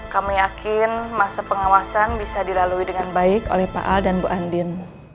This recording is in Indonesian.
kami yakin masa pengawasan bisa dilalui dengan baik oleh pak al dan bu andin